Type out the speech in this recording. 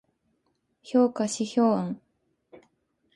評価指標案